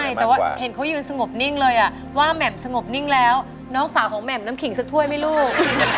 ใช่แต่ว่าเห็นเขายืนสงบนิ่งเลยว่าแหม่มสงบนิ่งแล้วน้องสาวของแหม่มน้ำขิงสักถ้วยไหมลูก